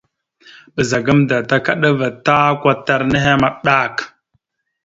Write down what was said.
Ɓəza gamənda takaɗava ta kwatar nehe maɗak.